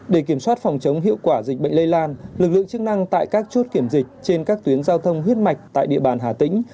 để kiểm soát phòng chống hiệu quả dịch bệnh lây lan lực lượng chức năng tại các chốt kiểm dịch trên các tuyến giao thông huyết mạch tại địa bàn hà tĩnh